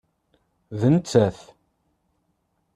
D nettat.